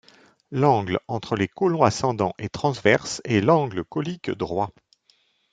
L'angle entre les côlons ascendant et transverse est l'angle colique droit.